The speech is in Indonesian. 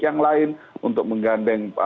yang lain untuk menggandeng